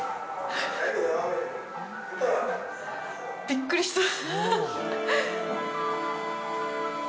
びっくりした。